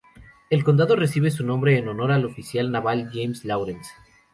El condado recibe su nombre en honor al oficial naval James Lawrence.